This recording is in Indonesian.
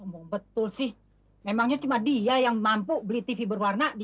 hai ngomong betul sih memangnya cuman dia yang mampu beli tv berwarna di